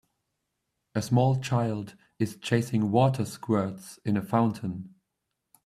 A small child is chasing water squirts in a fountain.